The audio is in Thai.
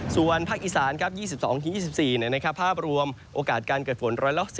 ส่วนภาคอีสาน๒๒๒๔ภาพรวมโอกาสการเกิดฝน๑๔